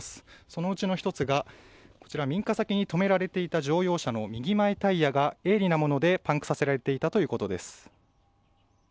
そのうちの１つが民家先に止められていた乗用車の右前タイヤが、鋭利なものでパンクさせられていたということです。